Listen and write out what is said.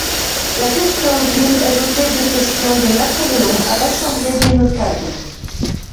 La question juive est l'objet de questions de Napoléon à l'Assemblée des notables.